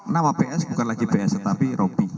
nama ps bukan lagi ps tetapi rocky